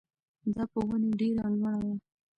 دا په ونې ډېره لوړه وه.